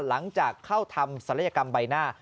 หลังจากเข้าทำศัลยกรรมใบหน้า